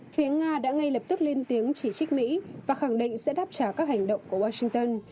phía nga đã ngay lập tức lên tiếng chỉ trích mỹ và khẳng định sẽ đáp trả các hành động của washington